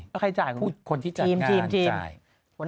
แต่ใครจ่ายเขาว่าคนที่จัดงาน